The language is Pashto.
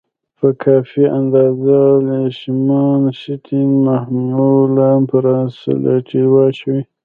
په کافي اندازه لیشمان سټین محلول پر سلایډ واچوئ.